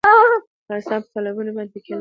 افغانستان په تالابونه باندې تکیه لري.